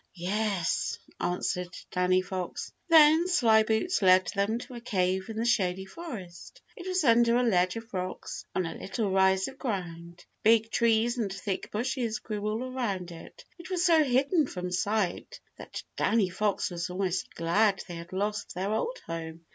"Yes," answered Danny Fox. Then Slyboots led them to a cave in the Shady Forest. It was under a ledge of rocks on a little rise of ground. Big trees and thick bushes grew all around it. It was so hidden from sight that Danny Fox was almost glad they had lost their old home.